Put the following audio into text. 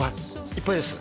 いっぱいです